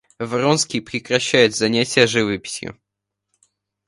Вронский прекращает занятия живописью.